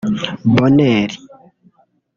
Bonheur